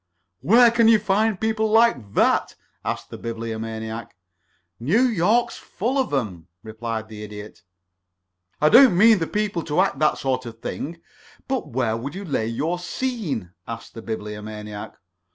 "Where can you find people like that?" asked the Bibliomaniac. "New York's full of 'em," replied the Idiot. "I don't mean the people to act that sort of thing but where would you lay your scene?" explained the Bibliomaniac.